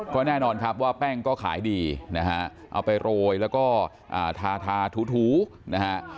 ก็แน่นอนครับว่าแป้งก็ขายดีนะฮะเอาไปโรยแล้วก็ทาทาถูนะฮะ